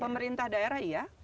pemerintah daerah iya